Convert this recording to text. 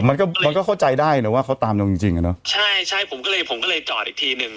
มันก็มันก็เข้าใจได้นะว่าเขาตามเราจริงจริงอ่ะเนอะใช่ใช่ผมก็เลยผมก็เลยจอดอีกทีหนึ่ง